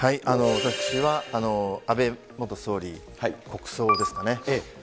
私は安倍元総理国葬ですかね。